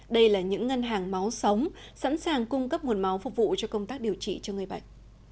đây là những ngân hàng máu sống sẵn sàng cung cấp nguồn máu phục vụ cho công tác điều trị cho người bệnh